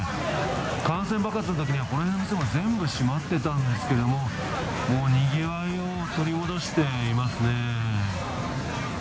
感染爆発のときには、この辺の店は全部閉まってたんですけども、もうにぎわいを取り戻していますね。